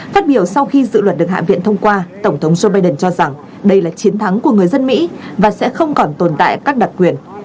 phát biểu sau khi dự luật được hạ viện thông qua tổng thống joe biden cho rằng đây là chiến thắng của người dân mỹ và sẽ không còn tồn tại các đặc quyền